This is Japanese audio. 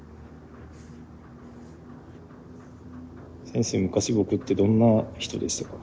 先生昔僕ってどんな人でしたか？